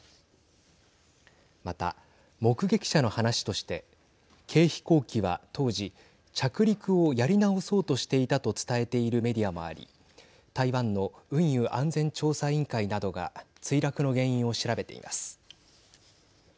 また、目撃者の話として軽飛行機は当時着陸をやり直そうとしていたと伝えているメディアもあり台湾の運輸安全調査委員会などが墜落の原因を調べています。